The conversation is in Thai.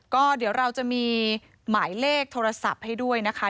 ก็เดี๋ยวเราจะมีหมายเลขโทรศัพท์ให้ด้วยนะคะ